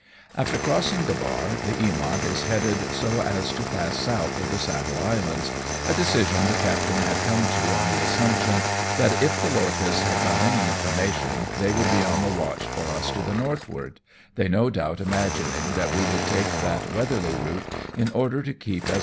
After crossing the bar, the Eamont is headed so as to pass south of the Saddle Islands, a decision the captain had come to on the assumption that, if the lorchas had got any information, they would be on the watch for us to the northward, they no doubt imagining that we would take that weatherly route in order to keep as SHANGHAI TO NAGASAKI.